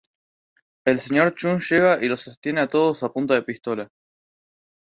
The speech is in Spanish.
El Sr. Chun llega y los sostiene a todos a punta de pistola.